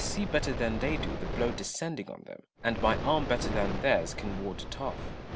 see better than they do the blow descending on them, and my arm better then theirs can ward it off.